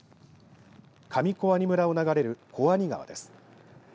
上小阿仁村を流れる小阿仁川です。